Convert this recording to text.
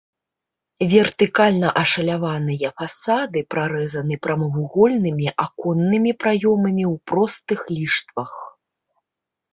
Вертыкальна ашаляваныя фасады прарэзаны прамавугольнымі аконнымі праёмамі ў простых ліштвах.